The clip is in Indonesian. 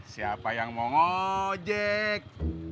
siapa yang mau ngojek